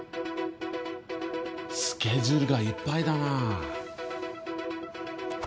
スケジュールがいっぱいだな。